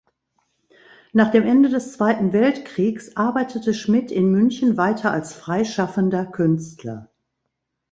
Nach dem Ende des Zweiten Weltkriegs arbeitete Schmidt in München weiter als freischaffender Künstler.